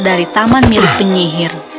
dari taman milik penyihir